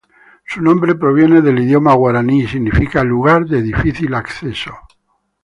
Su nombre proviene del idioma guaraní y significa "Lugar de difícil acceso".